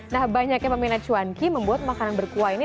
nah banyaknya peminat cuanki membuat makanan berkuah ini